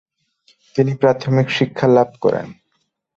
তিনি প্রাথমিক শিক্ষালাভ করেন।